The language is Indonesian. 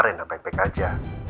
rena baik baik aja